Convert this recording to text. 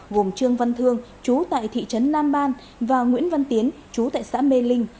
gồm trương văn thương chú tại thị trấn nam ban và nguyễn văn tiến chú tại xã mê linh